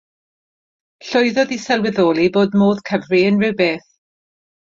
Llwyddodd i sylweddoli bod modd cyfri unrhyw beth